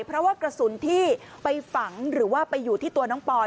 เพราะว่ากระสุนที่ไปฝังหรือว่าไปอยู่ที่ตัวน้องปอย